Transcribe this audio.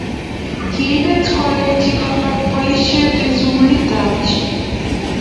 kiibet konetik alak boisiet eng' sukulisiekab chi